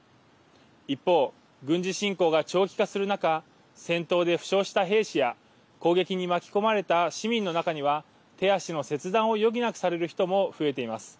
一方、軍事侵攻が長期化する中戦闘で負傷した兵士や攻撃に巻き込まれた市民の中には手足の切断を余儀なくされる人も増えています。